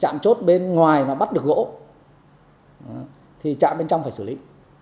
trạm chốt bên ngoài mà bắt được gỗ thì trạm bên trong phải xử lý